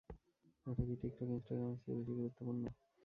এটা টিকটক, ইনস্টাগ্রামের চেয়ে বেশি গুরুত্বপূর্ণ।